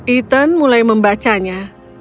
ethan mulai membacanya